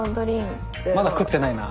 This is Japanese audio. まだ食ってないな。